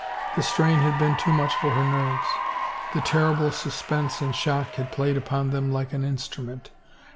The strain had been too much for her nerves; the terrible suspense and shock had played upon them like an instrument.